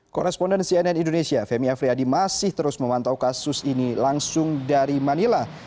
koresponden cnn indonesia femi afriyadi masih terus memantau kasus ini langsung dari manila